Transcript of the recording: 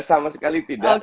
sama sekali tidak